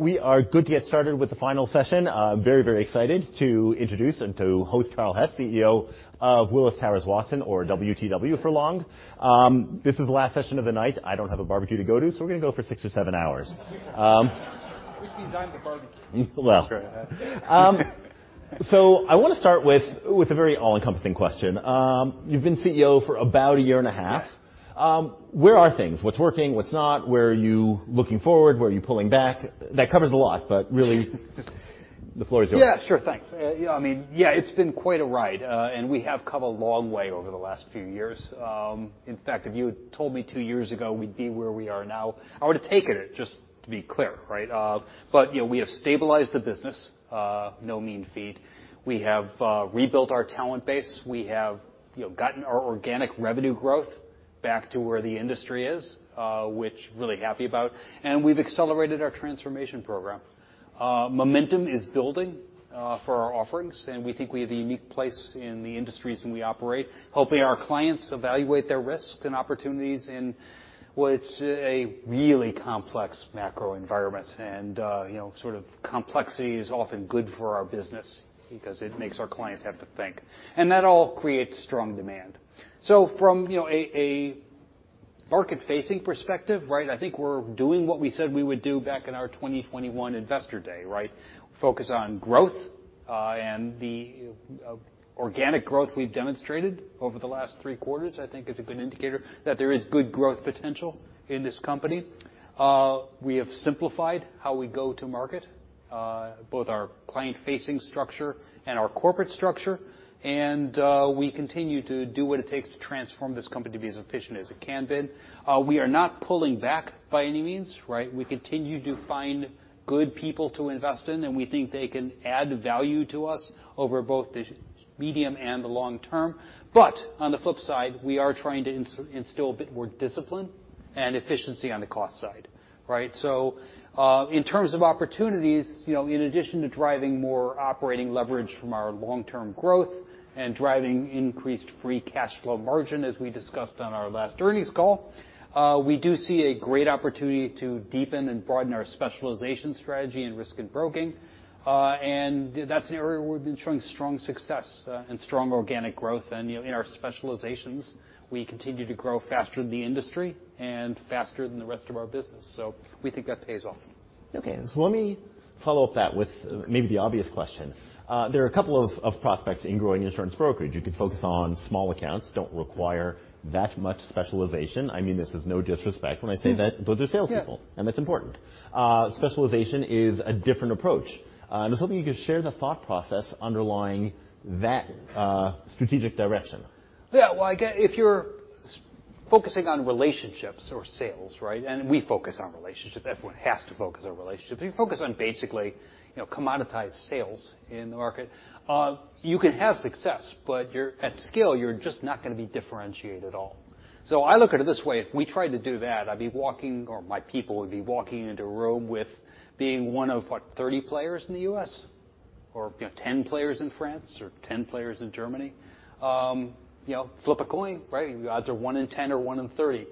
We are good to get started with the final session. Very excited to introduce and to host Carl Hess, CEO of Willis Towers Watson, or WTW for long. This is the last session of the night. I don't have a barbecue to go to, so we're going to go for six or seven hours. I have a barbecue. Well. Sorry. I want to start with a very all-encompassing question. You've been CEO for about a year and a half. Yes. Where are things? What's working? What's not? Where are you looking forward? Where are you pulling back? That covers a lot, but really, the floor is yours. It's been quite a ride, and we have come a long way over the last few years. In fact, if you had told me 2 years ago we'd be where we are now, I would've taken it, just to be clear. We have stabilized the business. No mean feat. We have rebuilt our talent base. We have gotten our organic revenue growth back to where the industry is, which really happy about, and we've accelerated our transformation program. Momentum is building for our offerings, and we think we have a unique place in the industries in we operate, helping our clients evaluate their risks and opportunities in what's a really complex macro environment. Complexity is often good for our business because it makes our clients have to think, and that all creates strong demand. From a market-facing perspective, I think we're doing what we said we would do back in our 2021 Investor Day. Right? Focus on growth, and the organic growth we've demonstrated over the last 3 quarters, I think, is a good indicator that there is good growth potential in this company. We have simplified how we go to market, both our client-facing structure and our corporate structure, and we continue to do what it takes to transform this company to be as efficient as it can be. We are not pulling back by any means. We continue to find good people to invest in, and we think they can add value to us over both the medium and the long term. On the flip side, we are trying to instill a bit more discipline and efficiency on the cost side. In terms of opportunities, in addition to driving more operating leverage from our long-term growth and driving increased free cash flow margin, as we discussed on our last earnings call, we do see a great opportunity to deepen and broaden our specialization strategy and Risk & Broking. That's an area where we've been showing strong success and strong organic growth. In our specializations, we continue to grow faster than the industry and faster than the rest of our business, so we think that pays off. Okay. Let me follow up that with maybe the obvious question. There are a couple of prospects in growing insurance brokerage. You could focus on small accounts, don't require that much specialization. This is no disrespect when I say that those are salespeople. Yeah. That's important. Specialization is a different approach. I was hoping you could share the thought process underlying that strategic direction. Yeah. If you're focusing on relationships or sales, and we focus on relationships. Everyone has to focus on relationships. If you focus on basically commoditized sales in the market, you can have success, but at scale, you're just not going to be differentiated at all. I look at it this way. If we tried to do that, I'd be walking, or my people would be walking into a room with being one of what, 30 players in the U.S., or 10 players in France or 10 players in Germany. Flip a coin. The odds are one in 10 or one in 30.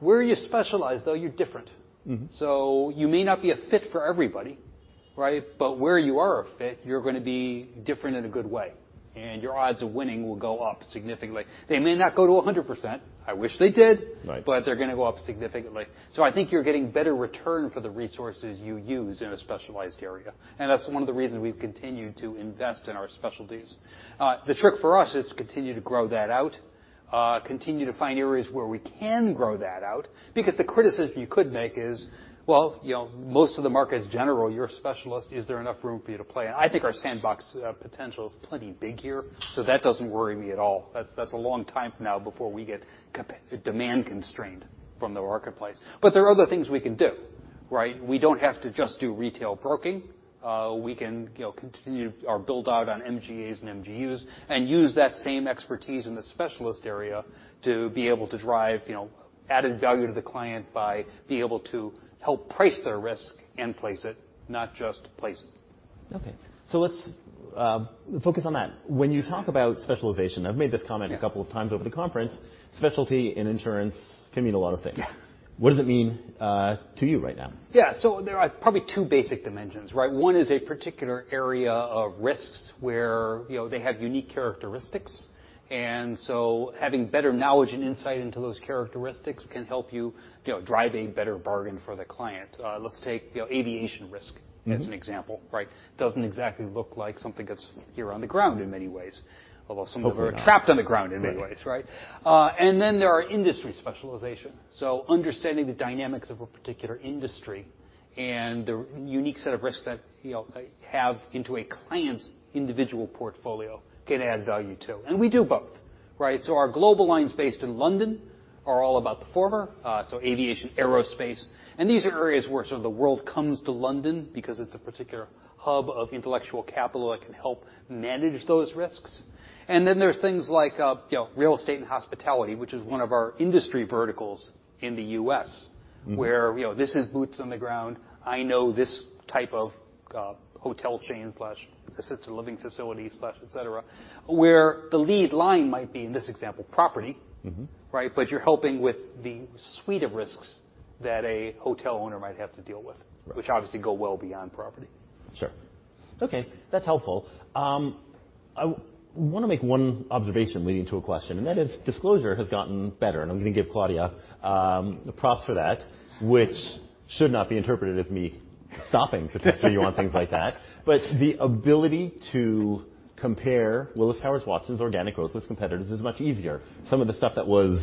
Where you specialize, though, you're different. You may not be a fit for everybody. Where you are a fit, you're going to be different in a good way, and your odds of winning will go up significantly. They may not go to 100%. I wish they did. Right. They're going to go up significantly. I think you're getting better return for the resources you use in a specialized area, and that's one of the reasons we've continued to invest in our specialties. The trick for us is to continue to grow that out, continue to find areas where we can grow that out. Because the criticism you could make is, well, most of the market is general. You're a specialist. Is there enough room for you to play? I think our sandbox potential is plenty big here, so that doesn't worry me at all. That's a long time from now before we get demand constraint from the marketplace. There are other things we can do. We don't have to just do retail broking. We can continue our build out on MGAs and MGUs and use that same expertise in the specialist area to be able to drive added value to the client by being able to help price their risk and place it, not just place it. Okay. Let's focus on that. When you talk about specialization, I've made this comment a couple of times over the conference, specialty and insurance can mean a lot of things. Yeah. What does it mean to you right now? Yeah. There are probably two basic dimensions. One is a particular area of risks where they have unique characteristics. Having better knowledge and insight into those characteristics can help you drive a better bargain for the client. Let's take aviation risk as an example. Doesn't exactly look like something that's here on the ground in many ways, although some of them are trapped on the ground in many ways. Right? There are industry specialization, understanding the dynamics of a particular industry and the unique set of risks that they have into a client's individual portfolio can add value, too. We do both. Our global lines based in London are all about the former, aviation, aerospace. These are areas where the world comes to London because it's a particular hub of intellectual capital that can help manage those risks. There's things like real estate and hospitality, which is one of our industry verticals in the U.S., where this is boots on the ground. I know this type of hotel chain/assisted living facility/et cetera, where the lead line might be, in this example, property. You're helping with the suite of risks that a hotel owner might have to deal with, which obviously go well beyond property. Sure. Okay. That's helpful. I want to make one observation leading to a question, that is disclosure has gotten better, I'm going to give Claudia props for that, which should not be interpreted as me stopping to test you on things like that. The ability to compare Willis Towers Watson's organic growth with competitors is much easier. Some of the stuff that was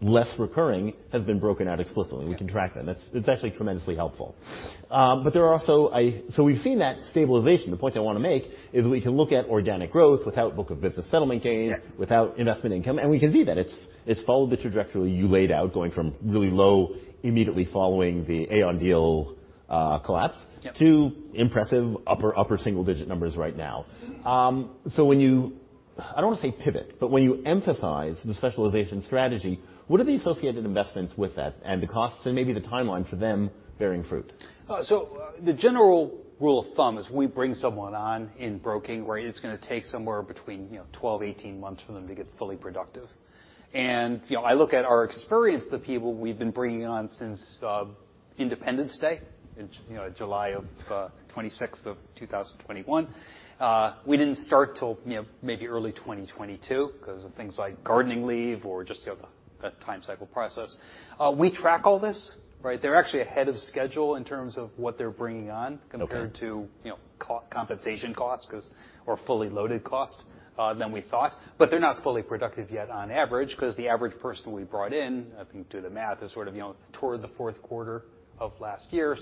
less recurring has been broken out explicitly. Yeah. We can track that. It's actually tremendously helpful. We've seen that stabilization. The point I want to make is we can look at organic growth without book of business settlement gains. Yeah without investment income. We can see that it's followed the trajectory you laid out, going from really low immediately following the Aon deal collapse. Yep To impressive upper single-digit numbers right now. When you, I don't want to say pivot, but when you emphasize the specialization strategy, what are the associated investments with that and the costs and maybe the timeline for them bearing fruit? The general rule of thumb is we bring someone on in broking, where it's going to take somewhere between 12-18 months for them to get fully productive. I look at our experience, the people we've been bringing on since Independence Day in July 26, 2021. We didn't start till maybe early 2022, because of things like gardening leave or just the time cycle process. We track all this. They're actually ahead of schedule in terms of what they're bringing on. Okay Compared to compensation cost or fully loaded cost than we thought. They're not fully productive yet on average, because the average person we brought in, if you do the math, is sort of toward the fourth quarter of last year.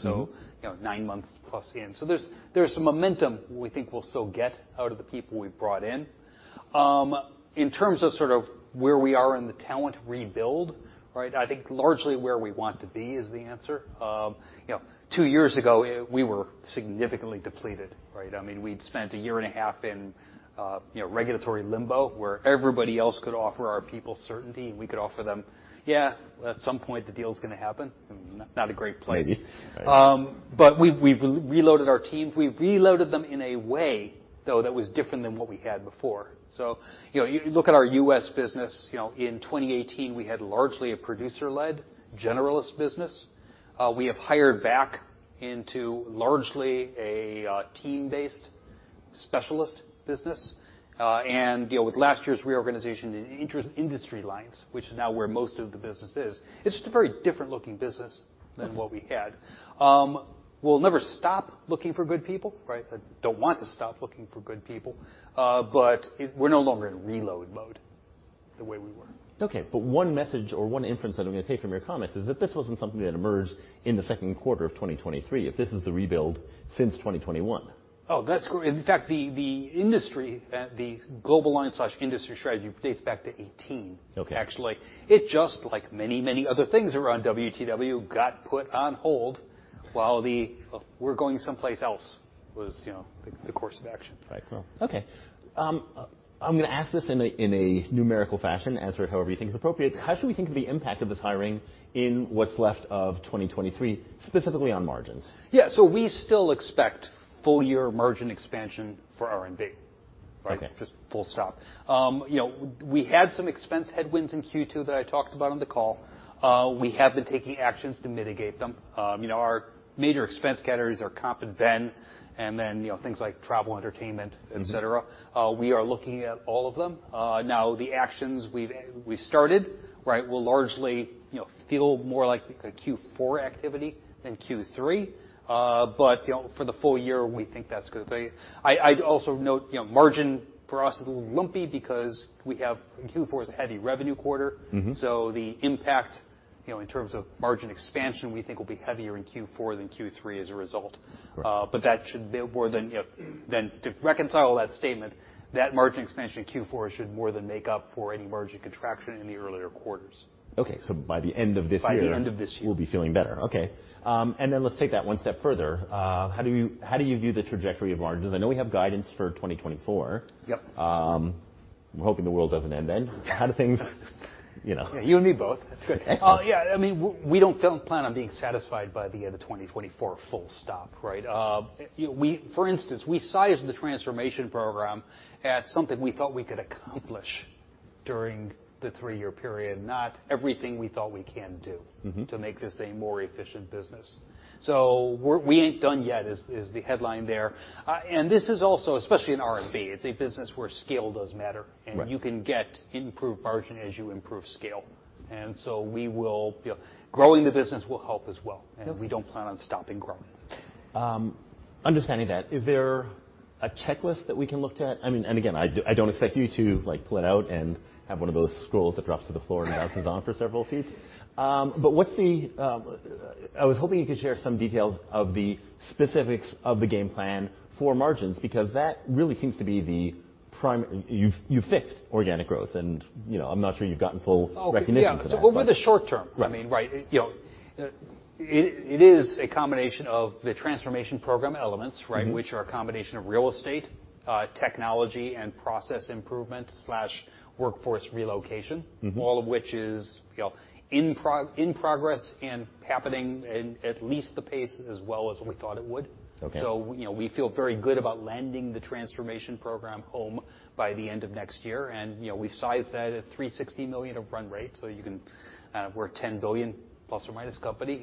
Nine months plus in. There's some momentum we think we'll still get out of the people we've brought in. In terms of sort of where we are in the talent rebuild, I think largely where we want to be is the answer. Two years ago, we were significantly depleted. I mean, we'd spent a year and a half in regulatory limbo where everybody else could offer our people certainty, and we could offer them, "Yeah, at some point the deal's going to happen." Not a great place. Maybe. Right. We've reloaded our teams. We reloaded them in a way, though, that was different than what we had before. You look at our U.S. business. In 2018, we had largely a producer-led generalist business. We have hired back into largely a team-based specialist business. With last year's reorganization, the industry lines, which is now where most of the business is, it's just a very different looking business than what we had. We'll never stop looking for good people. I don't want to stop looking for good people. We're no longer in reload mode the way we were. Okay. One message or one inference that I'm going to take from your comments is that this wasn't something that emerged in the second quarter of 2023, if this is the rebuild since 2021. Oh, that's correct. In fact, the industry, the global line/industry strategy dates back to 2018. Okay. Actually, it just, like many other things around WTW, got put on hold while the we're going someplace else was the course of action. Right. Okay. I'm going to ask this in a numerical fashion, answer it however you think is appropriate. How should we think of the impact of this hiring in what's left of 2023, specifically on margins? Yeah. We still expect full year margin expansion for R&B. Okay. Just full stop. We had some expense headwinds in Q2 that I talked about on the call. We have been taking actions to mitigate them. Our major expense categories are comp and ben, and then things like travel, entertainment, et cetera. We are looking at all of them. The actions we've started will largely feel more like a Q4 activity than Q3. For the full year, we think that's going to be I'd also note margin for us is a little lumpy because Q4 is a heavy revenue quarter. The impact in terms of margin expansion we think will be heavier in Q4 than Q3 as a result. Right. To reconcile that statement, that margin expansion in Q4 should more than make up for any margin contraction in the earlier quarters. Okay. By the end of this year- By the end of this year we'll be feeling better. Okay. Let's take that one step further. How do you view the trajectory of margins? I know we have guidance for 2024. Yep. I'm hoping the world doesn't end then. How do things You and me both. That's good. Yeah, we don't plan on being satisfied by the end of 2024, full stop. For instance, we sized the transformation program at something we thought we could accomplish during the three-year period, not everything we thought we can do- to make this a more efficient business. We ain't done yet is the headline there. This is also, especially in R&B, it's a business where scale does matter. Right. You can get improved margin as you improve scale. Growing the business will help as well. Yep. We don't plan on stopping growing. Understanding that, is there a checklist that we can look at? Again, I don't expect you to pull it out and have one of those scrolls that drops to the floor and bounces on for several feet. I was hoping you could share some details of the specifics of the game plan for margins, because that really seems to be the prime. You've fixed organic growth, and I'm not sure you've gotten full recognition for that. Yeah. Over the short term. Right. It is a combination of the Transformation Program elements. Which are a combination of real estate, technology, and process improvement/workforce relocation. All of which is in progress and happening in at least the pace as well as we thought it would. Okay. We feel very good about landing the Transformation Program home by the end of next year, and we've sized that at $360 million of run rate, so we're a $10 billion plus or minus company.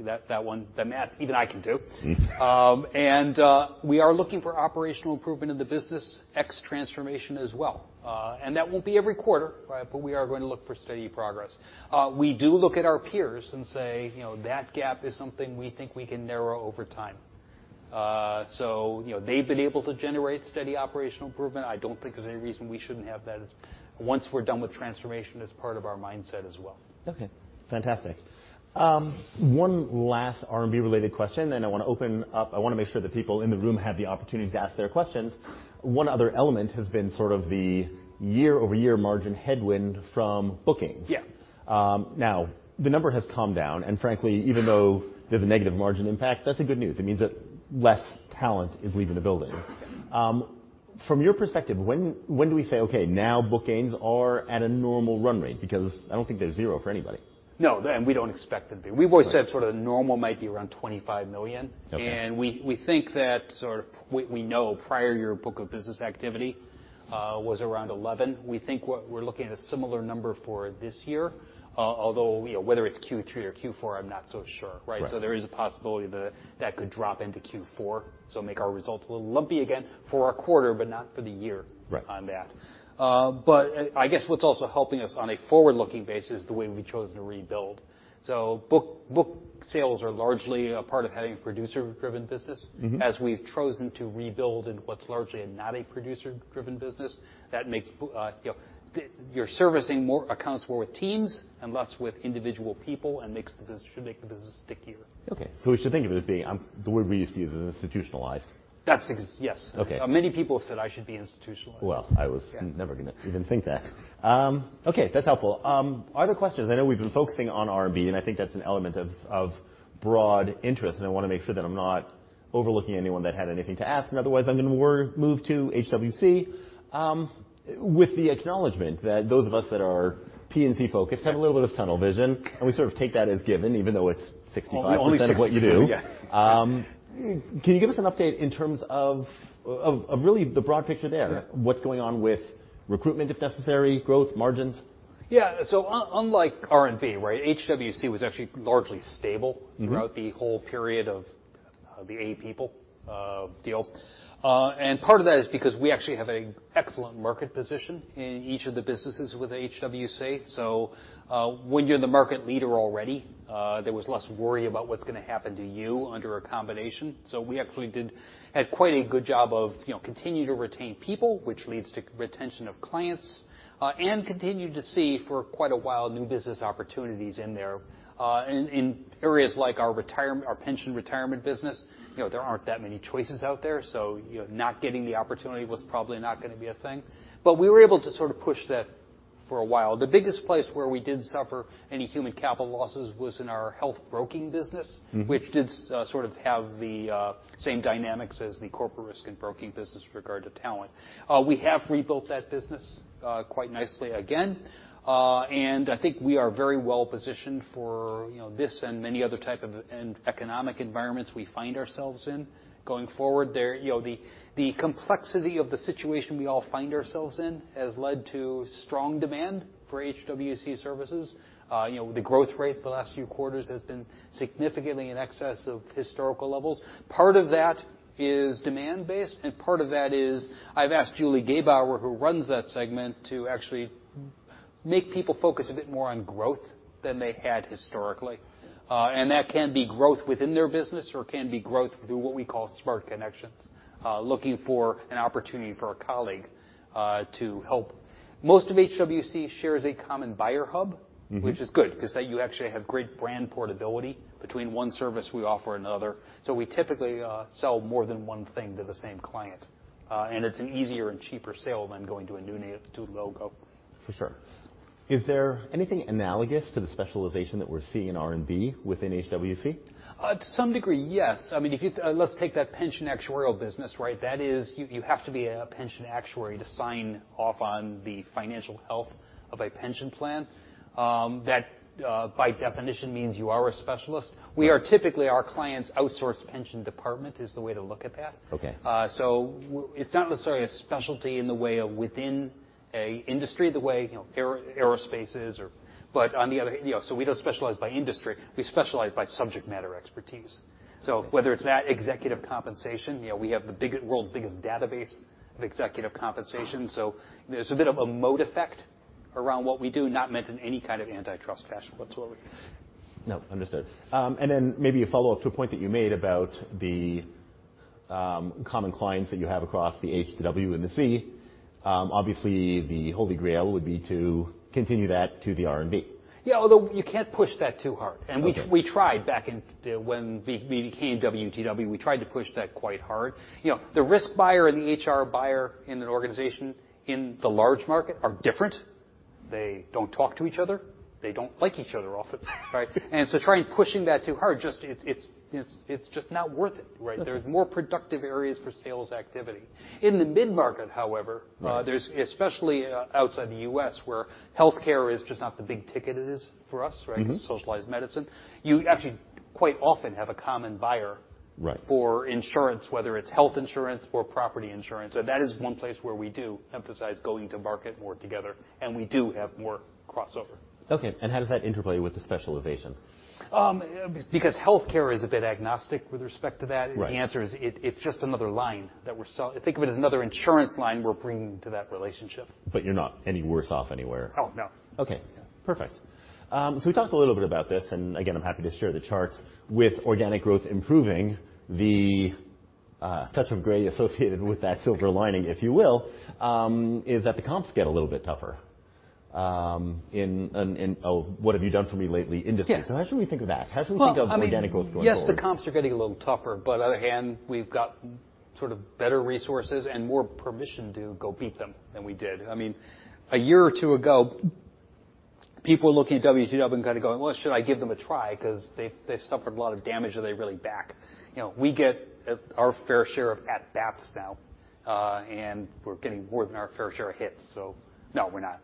That math even I can do. We are looking for operational improvement in the business, ex Transformation as well. That won't be every quarter, but we are going to look for steady progress. We do look at our peers and say that gap is something we think we can narrow over time. They've been able to generate steady operational improvement. I don't think there's any reason we shouldn't have that, once we're done with Transformation, as part of our mindset as well. Okay, fantastic. One last R&B related question, then I want to open up. I want to make sure that people in the room have the opportunity to ask their questions. One other element has been sort of the year-over-year margin headwind from bookings. Yeah. The number has come down, frankly, even though there's a negative margin impact, that's a good news. It means that less talent is leaving the building. From your perspective, when do we say, "Okay, now bookings are at a normal run rate?" Because I don't think they're zero for anybody. No. We don't expect them to be. We've always said normal might be around $25 million. Okay. We know prior year book of business activity was around $11 million. We think what we're looking at a similar number for this year, although, whether it's Q3 or Q4, I'm not so sure, right? Right. There is a possibility that that could drop into Q4, so make our result a little lumpy again for our quarter, but not for the year- Right on that. I guess what's also helping us on a forward-looking base is the way we've chosen to rebuild. Book sales are largely a part of having a producer-driven business. As we've chosen to rebuild in what's largely not a producer-driven business, that makes You're servicing more accounts more with teams and less with individual people and should make the business stickier. Okay. We should think of it as being, the word we used to use is institutionalized. That's Yes. Okay. Many people have said I should be institutionalized. Well, I was never going to even think that. Okay, that's helpful. Other questions? I know we've been focusing on R&B, and I think that's an element of broad interest, and I want to make sure that I'm not overlooking anyone that had anything to ask. Otherwise, I'm going to move to HWC, with the acknowledgement that those of us that are P&C-focused- Yeah have a little bit of tunnel vision, and we sort of take that as given, even though it's 65%- Only 65, yeah. of what you do. Can you give us an update in terms of really the broad picture there? Yeah. What's going on with recruitment, if necessary, growth, margins? Yeah. Unlike R&B, right, HWC was actually largely stable- throughout the whole period of the Aon deal. Part of that is because we actually have an excellent market position in each of the businesses with HWC. When you're the market leader already, there was less worry about what's going to happen to you under a combination. We actually did quite a good job of continuing to retain people, which leads to retention of clients, and continued to see for quite a while new business opportunities in there. In areas like our pension retirement business, there aren't that many choices out there, so not getting the opportunity was probably not going to be a thing. We were able to sort of push that for a while. The biggest place where we did suffer any human capital losses was in our health broking business. Which did sort of have the same dynamics as the corporate Risk & Broking business regard to talent. We have rebuilt that business quite nicely again. I think we are very well positioned for this and many other type of economic environments we find ourselves in going forward there. The complexity of the situation we all find ourselves in has led to strong demand for HWC services. The growth rate the last few quarters has been significantly in excess of historical levels. Part of that is demand based, and part of that is I've asked Julie Gebauer, who runs that segment, to actually make people focus a bit more on growth than they had historically. That can be growth within their business or can be growth through what we call smart connections, looking for an opportunity for a colleague to help. Most of HWC shares a common buyer hub. Which is good because that you actually have great brand portability between one service we offer another. We typically sell more than one thing to the same client. It's an easier and cheaper sale than going to a new logo. For sure. Is there anything analogous to the specialization that we're seeing in R&B within HWC? To some degree, yes. Let's take that pension actuarial business, right? You have to be a pension actuary to sign off on the financial health of a pension plan. That by definition means you are a specialist. We are typically our client's outsource pension department, is the way to look at that. Okay. It's not necessarily a specialty in the way of within an industry, the way aerospace is. We don't specialize by industry. We specialize by subject matter expertise. Whether it's that executive compensation, we have the world's biggest database of executive compensation. There's a bit of a moat effect around what we do, not meant in any kind of antitrust fashion whatsoever. No, understood. Then maybe a follow-up to a point that you made about the common clients that you have across the HW and the C. Obviously, the holy grail would be to continue that to the R&B. Yeah, although you can't push that too hard. Okay. We tried back when we became WTW. We tried to push that quite hard. The risk buyer and the HR buyer in an organization in the large market are different. They don't talk to each other. They don't like each other often, right? Trying pushing that too hard, it's just not worth it, right? Okay. There's more productive areas for sales activity. In the mid-market, however. Right especially outside the U.S., where healthcare is just not the big ticket it is for us, right? Socialized medicine. You actually quite often have a common buyer. Right For insurance, whether it's health insurance or property insurance, that is one place where we do emphasize going to market more together, and we do have more crossover. Okay. How does that interplay with the specialization? Because healthcare is a bit agnostic with respect to that. Right The answer is it's just another line that we're sell. Think of it as another insurance line we're bringing to that relationship. You're not any worse off anywhere? Oh, no. Okay. Perfect. We talked a little bit about this, and again, I'm happy to share the charts. With organic growth improving the a touch of gray associated with that silver lining, if you will, is that the comps get a little bit tougher in a what have you done for me lately industry? Yeah. How should we think of that? How should we think of organic growth going forward? Yes, the comps are getting a little tougher, but other hand, we've got better resources and more permission to go beat them than we did. A year or two ago, people were looking at WTW and kind of going, "Well, should I give them a try? Because they've suffered a lot of damage. Are they really back?" We get our fair share of at-bats now, and we're getting more than our fair share of hits. No, we're not.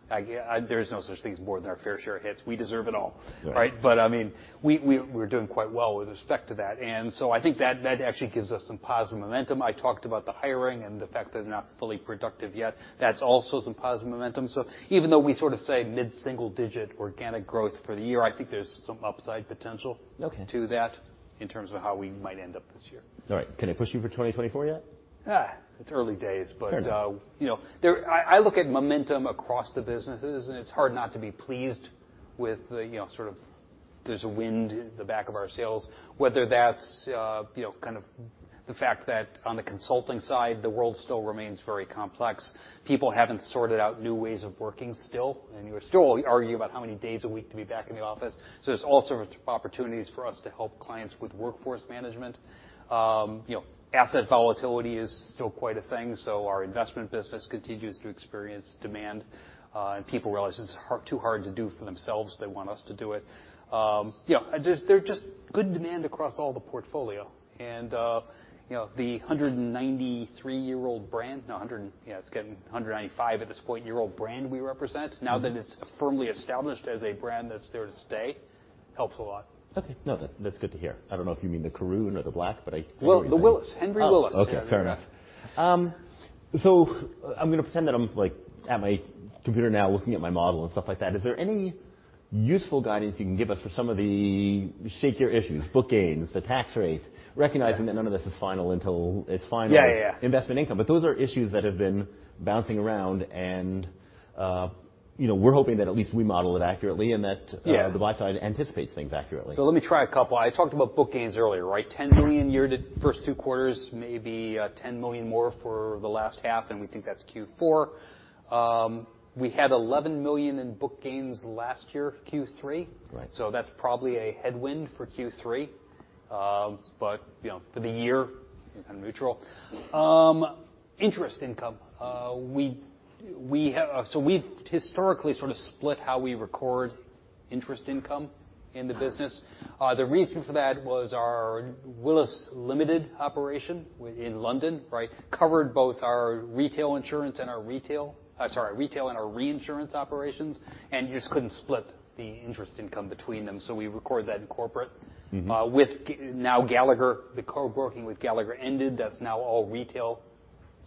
There is no such thing as more than our fair share of hits. We deserve it all. Right. We're doing quite well with respect to that, and so I think that actually gives us some positive momentum. I talked about the hiring and the fact that they're not fully productive yet. That's also some positive momentum. Even though we say mid-single digit organic growth for the year, I think there's some upside potential- Okay to that in terms of how we might end up this year. All right. Can I push you for 2024 yet? It's early days. Fair enough. I look at momentum across the businesses, and it's hard not to be pleased with the, there's a wind at the back of our sails, whether that's the fact that on the consulting side, the world still remains very complex. People haven't sorted out new ways of working still, and you still argue about how many days a week to be back in the office. There's all sorts of opportunities for us to help clients with workforce management. Asset volatility is still quite a thing, so our investment business continues to experience demand. People realize it's too hard to do for themselves. They want us to do it. There's just good demand across all the portfolio. The 193-year-old brand, no, it's getting 195 at this point, year-old brand we represent- now that it's firmly established as a brand that's there to stay, helps a lot. Okay. No, that's good to hear. I don't know if you mean the Corroon & Black, I think. Well, the Willis. Henry Willis. Oh, okay. Fair enough. I'm going to pretend that I'm at my computer now, looking at my model and stuff like that. Is there any useful guidance you can give us for some of the shakier issues, book gains, the tax rates? Yeah recognizing that none of this is final until its final. Yeah investment income. Those are issues that have been bouncing around, and we're hoping that at least we model it accurately, and that. Yeah the buy side anticipates things accurately. Let me try a couple. I talked about book gains earlier, right? $10 million year, the first two quarters, maybe $10 million more for the last half, and we think that's Q4. We had $11 million in book gains last year, Q3. Right. That's probably a headwind for Q3. For the year, kind of neutral. Interest income. We've historically sort of split how we record interest income in the business. The reason for that was our Willis Limited operation in London, right? Covered both our retail insurance and our retail and our reinsurance operations, and you just couldn't split the interest income between them, so we record that in corporate. With now Gallagher, the co-brokering with Gallagher ended. That's now all retail.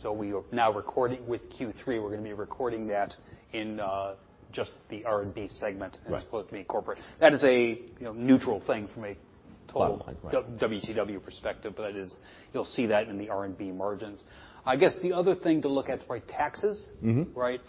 We are now recording with Q3. We're going to be recording that in just the R&B segment. Right as opposed to be corporate. That is a neutral thing from a total. Bottom line. Right. WTW perspective, you'll see that in the R&B margins. I guess the other thing to look at is taxes. Right?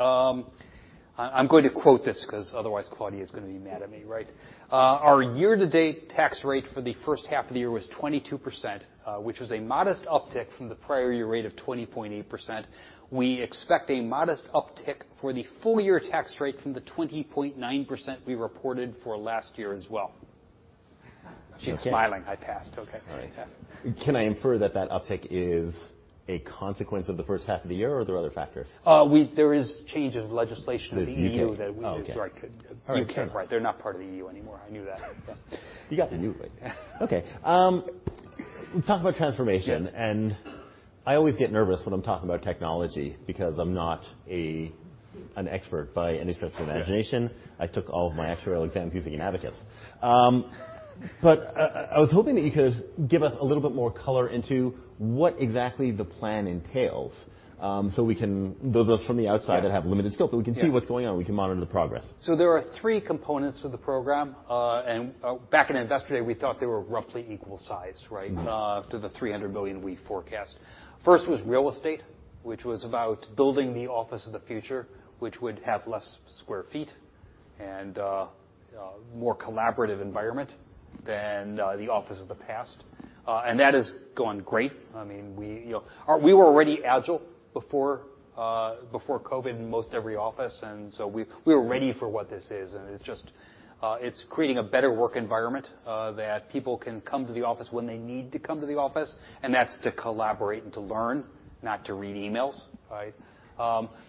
I'm going to quote this because otherwise Claudia is going to be mad at me, right? Our year-to-date tax rate for the first half of the year was 22%, which was a modest uptick from the prior year rate of 20.8%. We expect a modest uptick for the full-year tax rate from the 20.9% we reported for last year as well. Okay. She's smiling. I passed. Okay. All right. Can I infer that that uptick is a consequence of the first half of the year, or are there other factors? There is change of legislation with U.K. With U.K. Oh, okay. Sorry. All right. U.K., right. They're not part of the U.K. anymore. I knew that. You got the new bit. Okay. Let's talk about transformation. Yeah. I always get nervous when I'm talking about technology because I'm not an expert by any stretch of the imagination. Yeah. I took all of my actuarial exams using an abacus. I was hoping that you could give us a little bit more color into what exactly the plan entails, so those of us from the outside. Yeah that have limited skill, but we can see what's going on. Yeah. We can monitor the progress. There are three components to the program. Back in Investor Day, we thought they were roughly equal size, right? To the $300 million we forecast. First was real estate, which was about building the office of the future, which would have less square feet and a more collaborative environment than the office of the past. That has gone great. We were already agile before COVID in most every office, and so we were ready for what this is. It's creating a better work environment, that people can come to the office when they need to come to the office, and that's to collaborate and to learn, not to read emails. Right?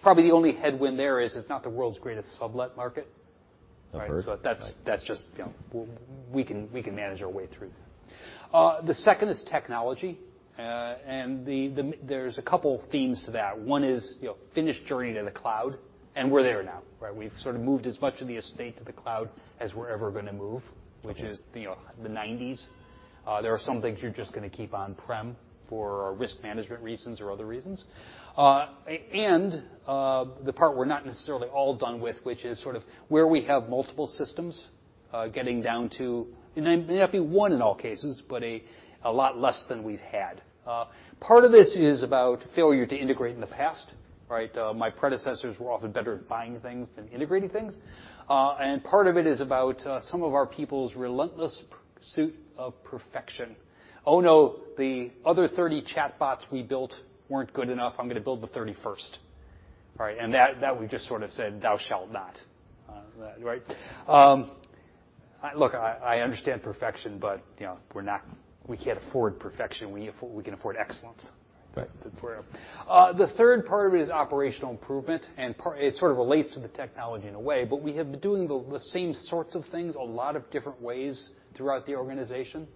Probably the only headwind there is it's not the world's greatest sublet market. I've heard. That's just, we can manage our way through that. The second is technology. There's a couple themes to that. One is finish journey to the cloud, and we're there now. Right. We've sort of moved as much of the estate to the cloud as we're ever going to move- Okay which is the '90s. There are some things you're just going to keep on-prem for risk management reasons or other reasons. The part we're not necessarily all done with, which is sort of where we have multiple systems, getting down to, it may not be one in all cases, but a lot less than we've had. Part of this is about failure to integrate in the past. Right. My predecessors were often better at buying things than integrating things. Part of it is about some of our people's relentless pursuit of perfection. "Oh, no, the other 30 chatbots we built weren't good enough. I'm going to build the 31st." All right, and that we just sort of said, "Thou shalt not." Right. Look, I understand perfection, but we can't afford perfection. We can afford excellence. Right. The third part of it is operational improvement, and it sort of relates to the technology in a way, we have been doing the same sorts of things a lot of different ways throughout the organization.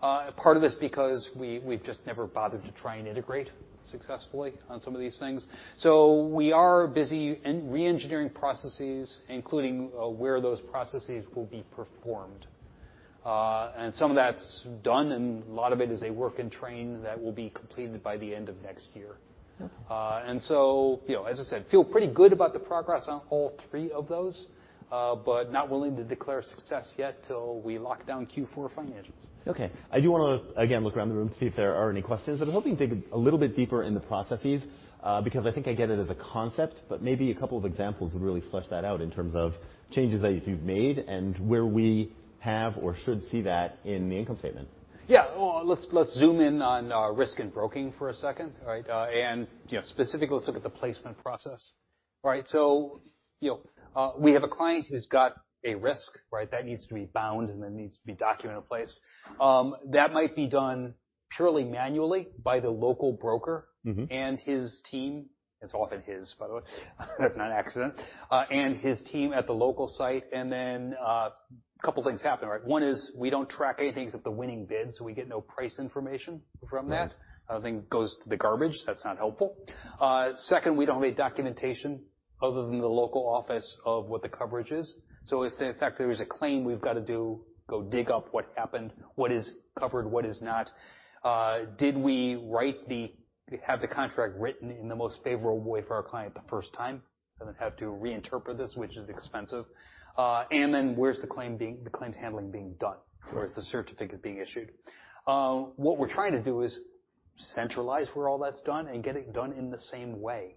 Part of it's because we've just never bothered to try and integrate successfully on some of these things. We are busy re-engineering processes, including where those processes will be performed. Some of that's done, and a lot of it is a work in train that will be completed by the end of next year. Okay. As I said, feel pretty good about the progress on all three of those, but not willing to declare success yet till we lock down Q4 financials. Okay. I do want to, again, look around the room to see if there are any questions, but I'm hoping to dig a little bit deeper in the processes, because I think I get it as a concept, but maybe a couple of examples would really flesh that out in terms of changes that you've made and where we have or should see that in the income statement. Yeah. Well, let's zoom in on Risk & Broking for a second, right? Specifically, let's look at the placement process. We have a client who's got a risk, right? That needs to be bound and that needs to be documented in place. That might be done purely manually by the local broker- His team. It's often his, by the way. That's not an accident. His team at the local site. Then, a couple of things happen, right? One is we don't track anything except the winning bid, so we get no price information from that. Right. Everything goes to the garbage. That's not helpful. Second, we don't have any documentation other than the local office of what the coverage is. If in fact there is a claim, we've got to go dig up what happened, what is covered, what is not. Did we have the contract written in the most favorable way for our client the first time? Have to reinterpret this, which is expensive. Where's the claims handling being done? Where is the certificate being issued? What we're trying to do is centralize where all that's done and get it done in the same way,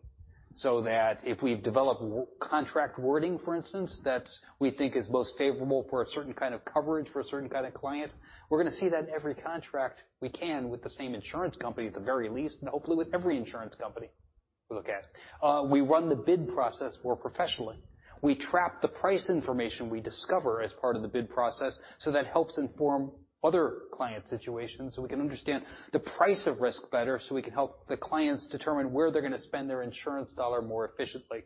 so that if we develop contract wording, for instance, that we think is most favorable for a certain kind of coverage for certain kind of clients, we're going to see that in every contract we can with the same insurance company, at the very least, and hopefully with every insurance company we look at. We run the bid process more professionally. We trap the price information we discover as part of the bid process, so that helps inform other client situations so we can understand the price of risk better, so we can help the clients determine where they're going to spend their insurance dollar more efficiently.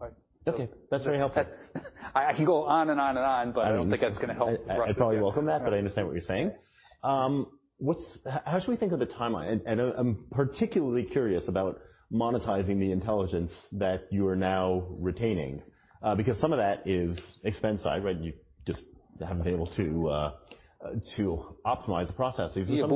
Right. Okay. That's very helpful. I can go on and on and on, but I don't think that's going to help progress. I'd probably welcome that, but I understand what you're saying. How should we think of the timeline? I'm particularly curious about monetizing the intelligence that you are now retaining, because some of that is expense side, right? You just haven't been able to optimize the processes. Yeah.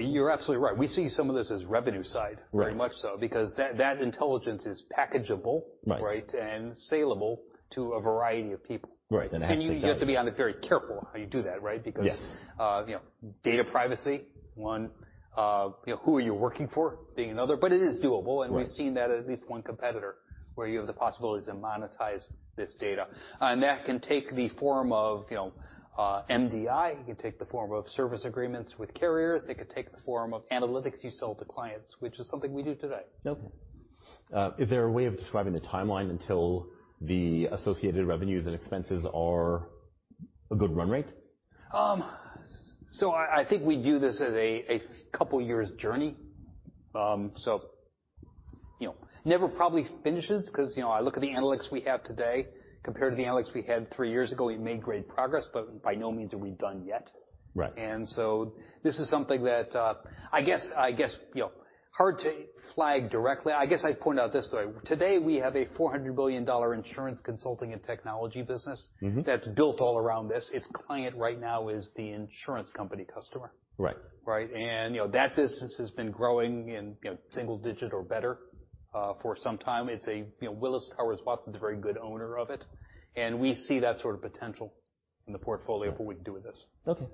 You're absolutely right. We see some of this as revenue side. Right. Very much so, because that intelligence is packageable. Right right? Saleable to a variety of people. Right. You have to be very careful how you do that, right? Yes. Data privacy, one. Who are you working for, being another. It is doable. Right. We've seen that at least one competitor, where you have the possibility to monetize this data. That can take the form of MDI, it could take the form of service agreements with carriers, it could take the form of analytics you sell to clients, which is something we do today. Okay. Is there a way of describing the timeline until the associated revenues and expenses are a good run rate? I think we view this as a couple years' journey. It never probably finishes because I look at the analytics we have today compared to the analytics we had three years ago. We've made great progress, but by no means are we done yet. Right. This is something that, I guess, hard to flag directly. I guess I'd point out this way. Today, we have a $400 billion Insurance Consulting & Technology business- that's built all around this. Its client right now is the insurance company customer. Right. Right. That business has been growing in single-digit or better for some time. Willis Towers Watson's a very good owner of it, and we see that sort of potential in the portfolio for what we can do with this. Okay.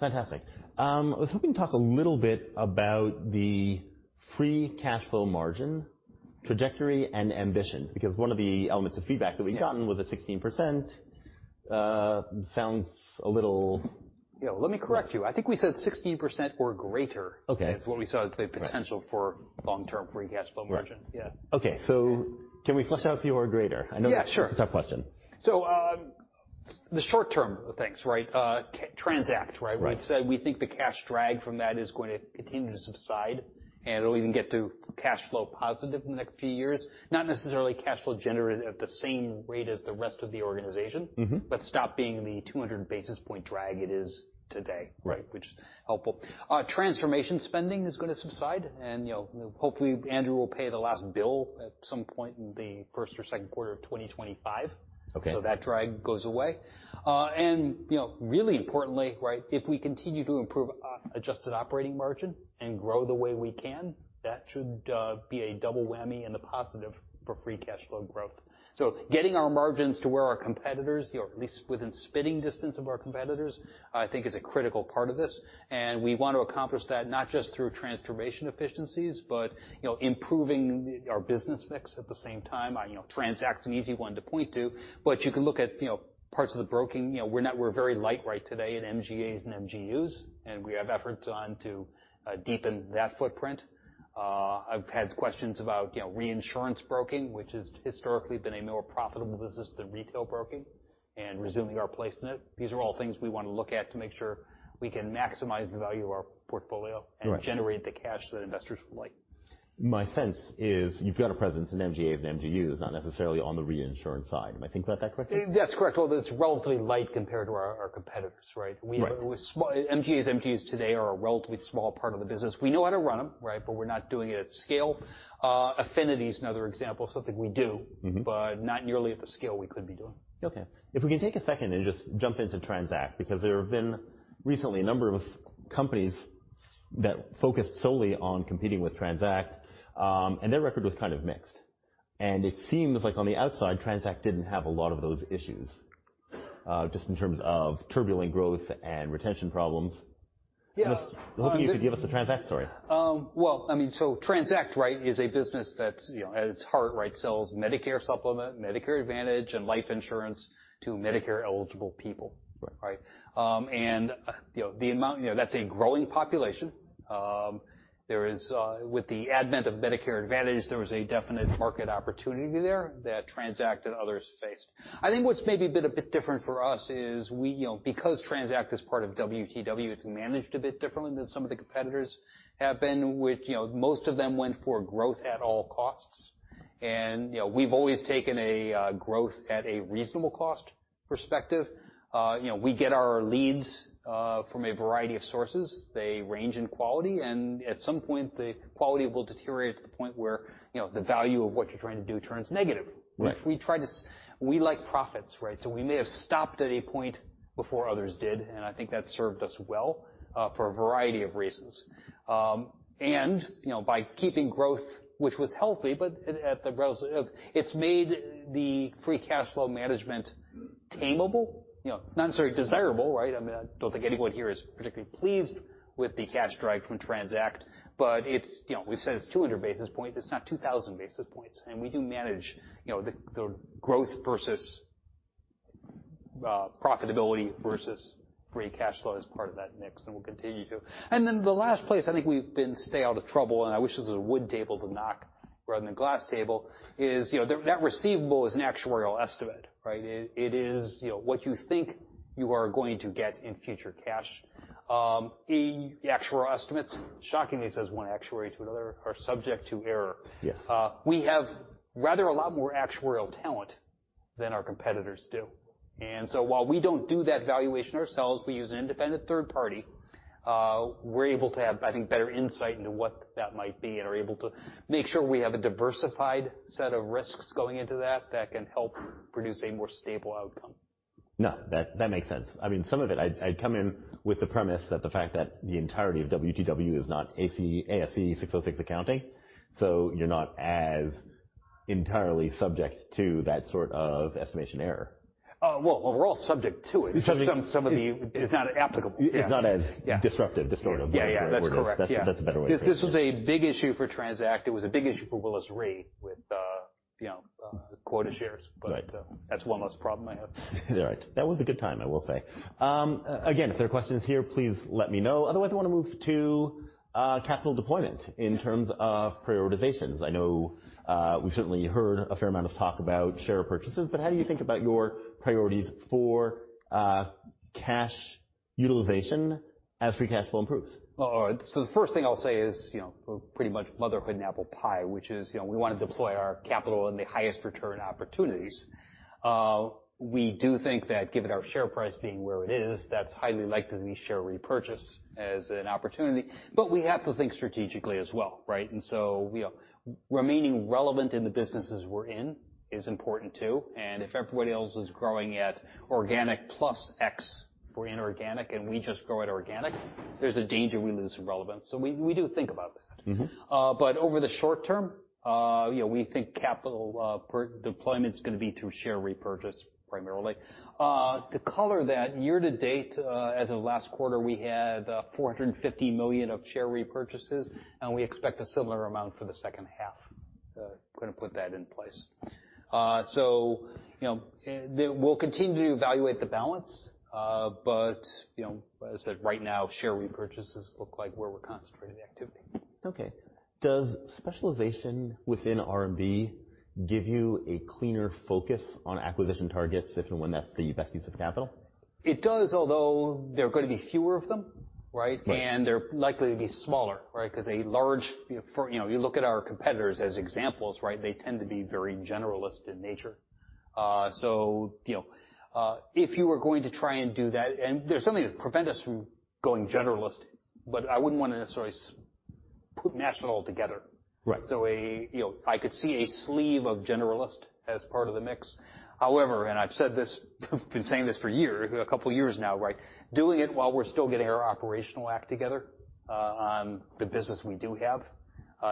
Fantastic. I was hoping to talk a little bit about the free cash flow margin trajectory and ambitions, because one of the elements of feedback that we'd gotten was that 16% sounds a little Yeah. Let me correct you. I think we said 16% or greater. Okay is what we saw as the potential for long-term free cash flow margin. Yeah. Okay. Can we flesh out for you or greater? Yeah, sure That's a tough question. The short term of things, right? TRANZACT, right? Right. We've said we think the cash drag from that is going to continue to subside, and it'll even get to cash flow positive in the next few years. Not necessarily cash flow generated at the same rate as the rest of the organization- Stop being the 200 basis points drag it is today. Right. Which is helpful. Transformation spending is going to subside. Hopefully Andrew will pay the last bill at some point in the first or second quarter of 2025. Okay. That drag goes away. Really importantly, right, if we continue to improve adjusted operating margin and grow the way we can, that should be a double whammy in the positive for free cash flow growth. Getting our margins to where our competitors, at least within spitting distance of our competitors, I think is a critical part of this. We want to accomplish that not just through transformation efficiencies, but improving our business mix at the same time. TRANZACT's an easy one to point to, but you can look at parts of the broking. We're very light right today at MGAs and MGUs, and we have efforts on to deepen that footprint. I've had questions about reinsurance broking, which has historically been a more profitable business than retail broking, and resuming our place in it. These are all things we want to look at to make sure we can maximize the value of our portfolio. Right Generate the cash that investors would like. My sense is you've got a presence in MGAs and MGUs, not necessarily on the reinsurance side. Am I thinking about that correctly? That's correct. Although it's relatively light compared to our competitors, right? Right. MGAs, MGUs today are a relatively small part of the business. We know how to run them, but we're not doing it at scale. Affinity is another example of something we do- Not nearly at the scale we could be doing. Okay. If we can take a second and just jump into TRANZACT. There have been recently a number of companies that focused solely on competing with TRANZACT, and their record was kind of mixed. It seems like on the outside, TRANZACT didn't have a lot of those issues, just in terms of turbulent growth and retention problems. Yeah. I was hoping you could give us a TRANZACT story. Well, TRANZACT is a business that's at its heart, sells Medicare supplement, Medicare Advantage, and life insurance to Medicare-eligible people. Right. That's a growing population. With the advent of Medicare Advantage, there was a definite market opportunity there that TRANZACT and others faced. I think what's maybe been a bit different for us is because TRANZACT is part of WTW, it's managed a bit differently than some of the competitors have been, which most of them went for growth at all costs. We've always taken a growth at a reasonable cost perspective. We get our leads from a variety of sources. They range in quality, and at some point, the quality will deteriorate to the point where the value of what you're trying to do turns negative. Right. We like profits, we may have stopped at a point before others did, I think that served us well, for a variety of reasons. By keeping growth, which was healthy, but it's made the free cash flow management tamable. Not necessarily desirable. I don't think anyone here is particularly pleased with the cash drag from TRANZACT, but we've said it's 200 basis points. It's not 2,000 basis points. We do manage the growth versus profitability versus free cash flow as part of that mix, and we'll continue to. The last place I think we've been stay out of trouble, and I wish this was a wood table to knock rather than a glass table is, that receivable is an actuarial estimate. It is what you think you are going to get in future cash. In the actuarial estimates, shockingly, says one actuary to another, are subject to error. Yes. We have rather a lot more actuarial talent than our competitors do. While we don't do that valuation ourselves, we use an independent third party. We're able to have, I think, better insight into what that might be and are able to make sure we have a diversified set of risks going into that can help produce a more stable outcome. No, that makes sense. Some of it, I'd come in with the premise that the fact that the entirety of WTW is not ASC 606 accounting, so you're not as entirely subject to that sort of estimation error. Well, we're all subject to it. Subject- It's not applicable. It's not as Yeah disruptive, distortive Yeah. That's correct. That's a better way of saying it. This was a big issue for TRANZACT. It was a big issue for Willis Re with quota share. Right. That's one less problem I have. Right. That was a good time, I will say. Again, if there are questions here, please let me know. Otherwise, I want to move to capital deployment in terms of prioritizations. I know we've certainly heard a fair amount of talk about share purchases, but how do you think about your priorities for cash utilization as free cash flow improves? The first thing I'll say is pretty much motherhood and apple pie, which is we want to deploy our capital in the highest return opportunities. We do think that given our share price being where it is, that's highly likely to be share repurchase as an opportunity, but we have to think strategically as well. Remaining relevant in the businesses we're in is important too, and if everybody else is growing at organic plus X for inorganic and we just grow at organic, there's a danger we lose relevance. We do think about that. Over the short term, we think capital deployment's going to be through share repurchase, primarily. To color that, year to date, as of last quarter, we had $450 million of share repurchases, and we expect a similar amount for the second half. Going to put that in place. We'll continue to evaluate the balance, but as I said, right now, share repurchases look like where we're concentrating the activity. Okay. Does specialization within R&B give you a cleaner focus on acquisition targets if and when that's the best use of capital? It does, although there are going to be fewer of them. Right. They're likely to be smaller. Because you look at our competitors as examples, they tend to be very generalist in nature. If you were going to try and do that, and there's nothing to prevent us from going generalist, but I wouldn't want to necessarily put [National] together. Right. I could see a sleeve of generalist as part of the mix. However, I've been saying this for a couple of years now, doing it while we're still getting our operational act together on the business we do have,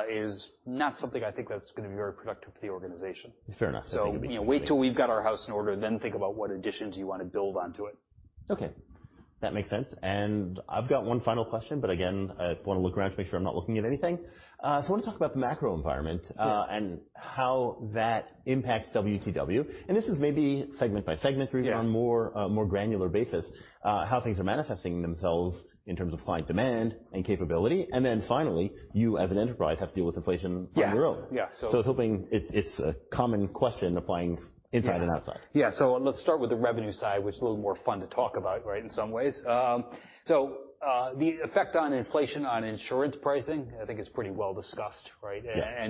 is not something I think that's going to be very productive for the organization. Fair enough. I think you'll be- Wait till we've got our house in order, then think about what additions you want to build onto it. Okay. That makes sense. I've got one final question, again, I want to look around to make sure I'm not looking at anything. I want to talk about the macro environment- Yeah How that impacts WTW. This is maybe segment by segment. Yeah on a more granular basis, how things are manifesting themselves in terms of client demand and capability. Finally, you as an enterprise have to deal with inflation on your own. Yeah. I was hoping it's a common question applying inside and outside. Yeah. Let's start with the revenue side, which is a little more fun to talk about, right, in some ways. The effect on inflation on insurance pricing, I think is pretty well discussed, right? Yeah.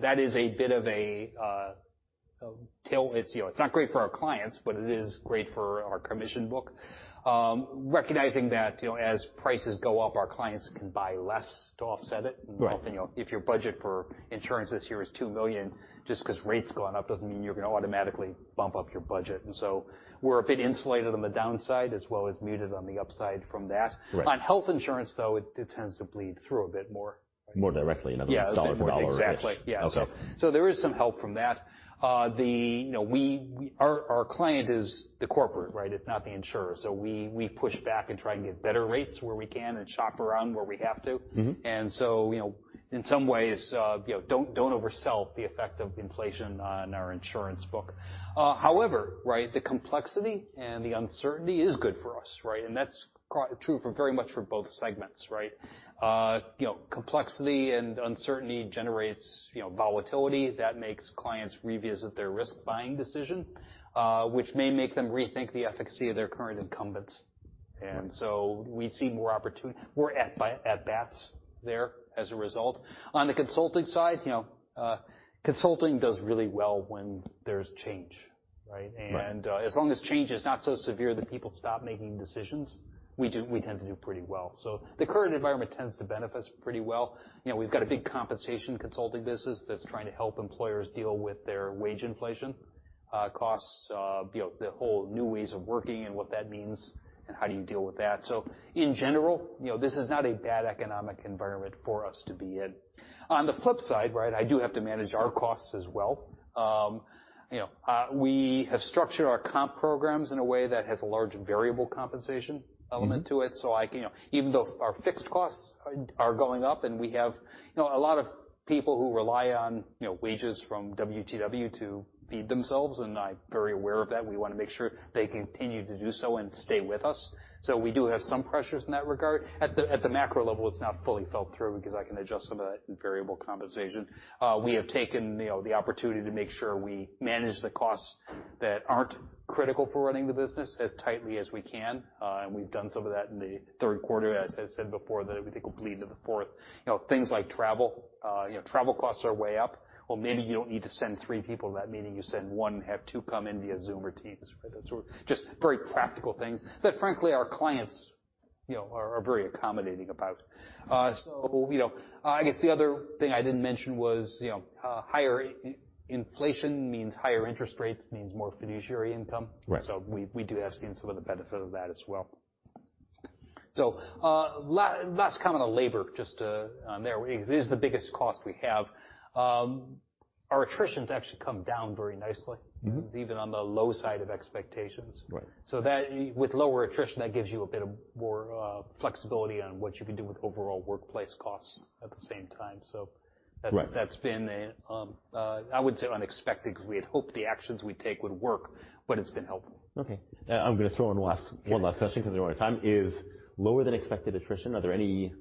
That is a bit of a tailwind. It's not great for our clients, but it is great for our commission book. Recognizing that as prices go up, our clients can buy less to offset it. Right. If your budget for insurance this year is $2 million, just because rates have gone up doesn't mean you're going to automatically bump up your budget. We're a bit insulated on the downside as well as muted on the upside from that. Right. On health insurance, though, it tends to bleed through a bit more. More directly, in other words, dollar for dollar. Exactly. Yeah. Okay. There is some help from that. Our client is the corporate, right? It's not the insurer. We push back and try and get better rates where we can and shop around where we have to. In some ways, don't oversell the effect of inflation on our insurance book. However, right, the complexity and the uncertainty is good for us, right? That's true very much for both segments, right? Complexity and uncertainty generates volatility. That makes clients revisit their risk-buying decision, which may make them rethink the efficacy of their current incumbents. We see more opportunity. We're at bats there as a result. On the consulting side, consulting does really well when there's change, right? Right. As long as change is not so severe that people stop making decisions, we tend to do pretty well. The current environment tends to benefit us pretty well. We've got a big compensation consulting business that's trying to help employers deal with their wage inflation costs, the whole new ways of working and what that means, and how do you deal with that. In general, this is not a bad economic environment for us to be in. On the flip side, right, I do have to manage our costs as well. We have structured our comp programs in a way that has a large variable compensation element to it. Even though our fixed costs are going up and we have a lot of people who rely on wages from WTW to feed themselves, and I'm very aware of that, and we want to make sure they continue to do so and stay with us. We do have some pressures in that regard. At the macro level, it's not fully felt through because I can adjust some of that in variable compensation. We have taken the opportunity to make sure we manage the costs that aren't critical for running the business as tightly as we can. We've done some of that in the third quarter. As I said before, that we think will bleed into the fourth. Things like travel. Travel costs are way up. Well, maybe you don't need to send three people to that meeting. You send one and have two come in via Zoom or Teams. Just very practical things that, frankly, our clients are very accommodating about. I guess the other thing I didn't mention was higher inflation means higher interest rates means more fiduciary income. Right. We do have seen some of the benefit of that as well. Last comment on labor, just on there, because it is the biggest cost we have. Our attrition's actually come down very nicely. Even on the low side of expectations. Right. With lower attrition, that gives you a bit of more flexibility on what you can do with overall workplace costs at the same time. Right. That's been, I would say, unexpected, because we had hoped the actions we take would work, but it's been helpful. Okay. I'm going to throw in one last question because we're running out of time. Is lower than expected attrition, are there any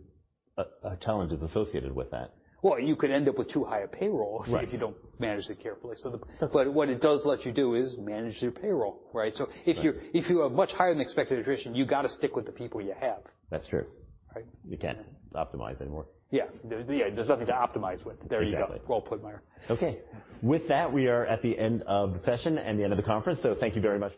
challenges associated with that? Well, you could end up with too high a payroll. Right If you don't manage it carefully. What it does let you do is manage your payroll, right? Right. If you have much higher than expected attrition, you've got to stick with the people you have. That's true. Right. You can't optimize anymore. Yeah. There's nothing to optimize with. There you go. Well put, Meyer. Okay. With that, we are at the end of the session and the end of the conference, thank you very much.